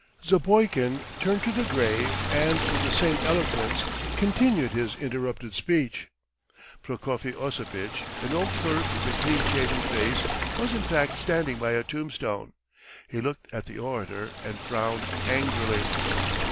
Zapoikin turned to the grave, and with the same eloquence continued his interrupted speech. Prokofy Osipitch, an old clerk with a clean shaven face, was in fact standing by a tombstone. He looked at the orator and frowned angrily.